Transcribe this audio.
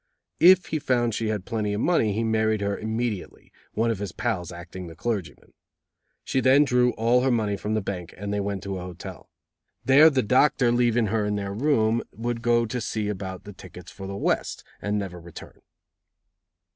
If he found she had plenty of money he married her immediately, one of his pals acting the clergyman. She then drew all her money from the bank, and they went to a hotel. There the doctor leaving her in their room, would go to see about the tickets for the West, and never return.